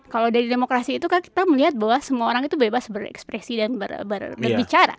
kalau dari demokrasi itu kan kita melihat bahwa semua orang itu bebas berekspresi dan berbicara